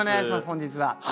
本日は。